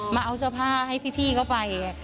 มาเอาเสื้อผ้าให้พี่เข้าไป